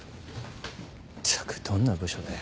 ったくどんな部署だよ。